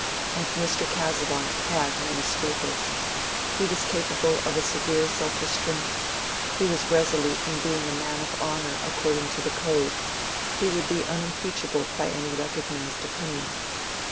And Mr. Casaubon had many scruples: he was capable of a severe self restraint; he was resolute in being a man of honor according to the code; he would be unimpeachable by any recognized opinion.